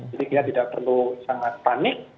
jadi kita tidak perlu sangat panik